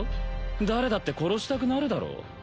誰だって殺したくなるだろ？